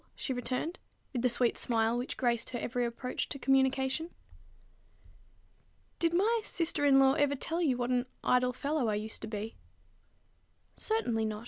she returned, with the sweet smile which graced her every approach to communication. "Did my sister in law ever tell you what an idle fellow I used to be?" "Certainly not.